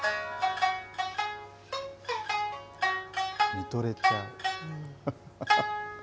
見とれちゃう。